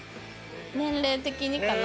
年齢的にかな？